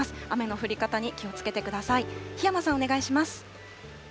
雨の降り方に気をつけてください。